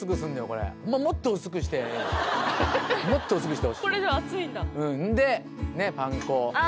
これもっと薄くしてええもっと薄くしてほしいでねっパン粉あ